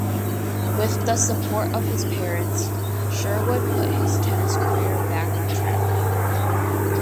With the support of his parents, Sherwood put his tennis career back on track.